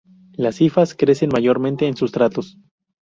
Las hifas crecen mayormente en sustratos.